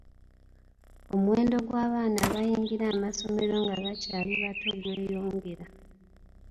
Omuwendo gw’abaana abayingira amasomero nga bakyali bato gweyongera .